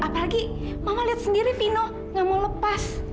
apalagi mama lihat sendiri vino gak mau lepas